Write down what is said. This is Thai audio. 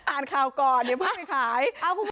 อ่านข่าวก่อนเดี๋ยวบ้านขาย